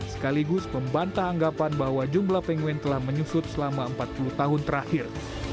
sekaligus membantah anggapan bahwa jumlah penguin telah menyusut selama empat puluh tahun terakhir